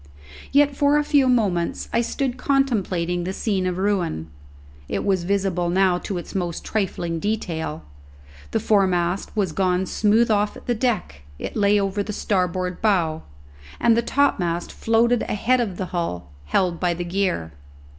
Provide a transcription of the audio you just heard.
Yet for a few moments I stood contemplating the scene of ruin. It was visible now to its most trifling detail. The foremast was gone smooth off at the deck; it lay over the starboard bow; and the topmast floated ahead of the hull, held by the gear.